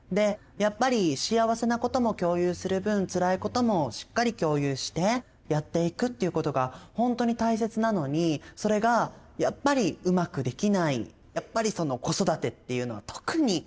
やっぱり幸せなことも共有する分つらいこともしっかり共有してやっていくっていうことがほんとに大切なのにそれがやっぱりうまくできない。